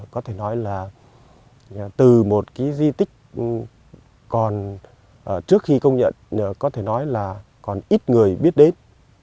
có thể nói là từ một cái di tích còn trước khi công nhận có thể nói là còn ít người biết đến